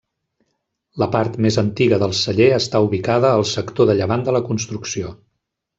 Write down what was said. La part més antiga del celler està ubicada al sector de llevant de la construcció.